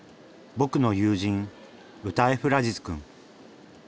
僕の友人ウタエフ・ラジズくん。